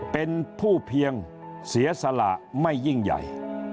เป็นผู้เพียงเสียสละไม่ยิ่งใหญ่